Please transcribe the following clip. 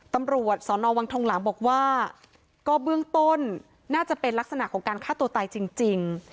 ตำรวจสอนอวังทองหลางบอกว่าก็เบื้องต้นน่าจะเป็นลักษณะของการฆ่าตัวตายจริง